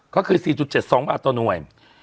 ก็คือ๔๗๒บาทต่อหน่วย